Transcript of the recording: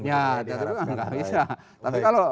ya tentu kan gak bisa